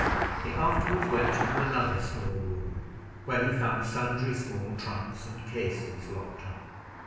He afterward went into another small room, where he found sundry small trunks and cases locked up.